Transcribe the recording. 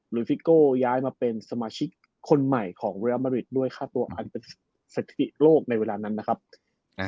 ฟิโก้ย้ายมาเป็นสมาชิกคนใหม่ของเรียลมาริดด้วยค่าตัวอันเป็นสถิติโลกในเวลานั้นนะครับอ่า